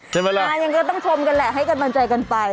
ใช่ไหมแหละค่ะยังต้องชมกันแหละให้กันบันใจกันไป